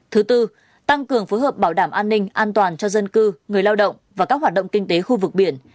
thứ tư tăng cường phối hợp bảo đảm an ninh an toàn cho dân cư người lao động và các hoạt động kinh tế khu vực biển